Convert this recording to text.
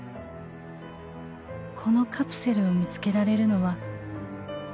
「このカプセルを見つけられるのはあなただと思う」